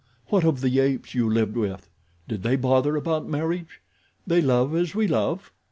What of the apes you lived with? Did they bother about marriage? They love as we love.